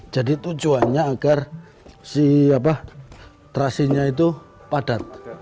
jadi tujuannya agar terasinya itu padat